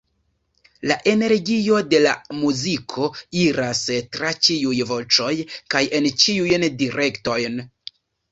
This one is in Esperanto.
La energio de la muziko iras tra ĉiuj voĉoj kaj en ĉiujn direktojn.